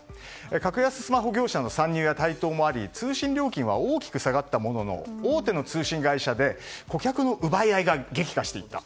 格安スマホ業者の参入や台頭もあり通信料金は大きく下がったものの大手の通信会社で顧客の奪い合いが激化していた。